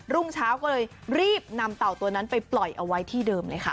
รุ่งเช้าก็เลยรีบนำเต่าตัวนั้นไปปล่อยเอาไว้ที่เดิมเลยค่ะ